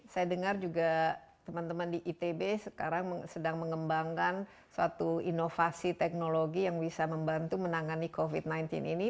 saya dengar juga teman teman di itb sekarang sedang mengembangkan suatu inovasi teknologi yang bisa membantu menangani covid sembilan belas ini